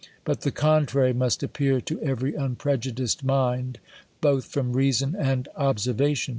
But the contrary must appear to every unprejudiced :nind, both from reason and observation.